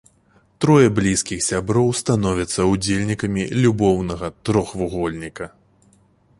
Трое блізкіх сяброў становяцца ўдзельнікамі любоўнага трохвугольніка.